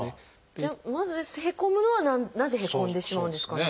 じゃあまずへこむなのはなぜへこんでしまうんですかね？